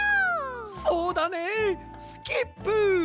そうだねえスキップ！